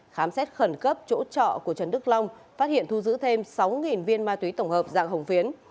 khám xét khẩn cấp chỗ trọ của trần đức long phát hiện thu giữ thêm sáu viên ma túy tổng hợp dạng hồng phiến